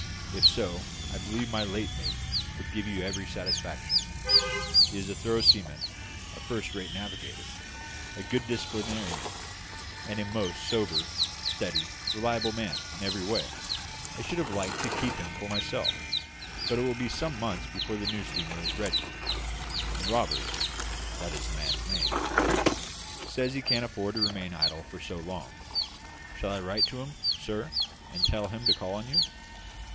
If so, I believe my late mate would give you every satisfaction. He is a thorough seaman, a first rate navigator, a good disciplinarian, and a most sober, steady, reliable man in every way, I should have liked to keep him for myself; but it will be some months before the new steamer will be ready, and Roberts that is the man's name says he can't afford to remain idle for so long. Shall I write to him, sir, and tell him to call on you?"